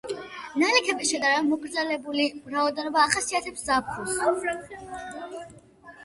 ნალექების შედარებით მოკრძალებული რაოდენობა ახასიათებს ზაფხულს.